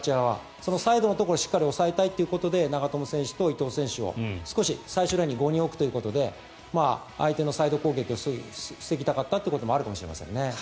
そのサイドのところをしっかり抑えたいということで長友選手と伊東選手を最終ラインに５人置くということで相手のサイド攻撃を防ぎたかったというのもあるかもしれませんね。